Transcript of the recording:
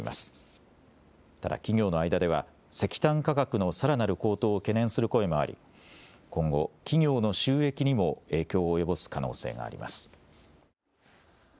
ただ企業の間では石炭価格のさらなる高騰を懸念する声もあり今後、企業の収益にも影響を及ぼす可能性があります。